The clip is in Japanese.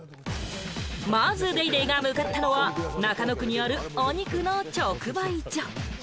まず『ＤａｙＤａｙ．』が向かったのは、中野区にある、お肉の直売所。